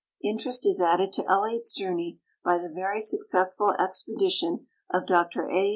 Interest is added to Elliot's journey by the very successful exiiedition of Dr A.